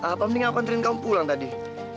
apa mending aku anterin kamu pulang tadi